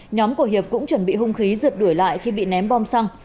nhóm của hiệp cũng chuẩn bị hung khí rượt đuổi lại khi bị ném bom xăng